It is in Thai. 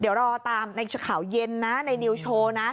เดี๋ยวรอตามในข่าวเย็นนะในนิวโชว์นะ